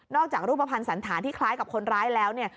จากรูปภัณฑ์สันธารที่คล้ายกับคนร้ายแล้วเนี่ย